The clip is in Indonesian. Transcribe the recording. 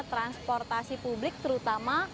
transportasi publik terutama